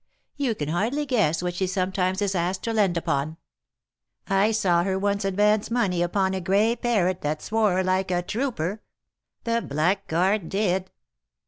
You can hardly guess what she sometimes is asked to lend upon. I saw her once advance money upon a gray parrot that swore like a trooper, the blackguard did."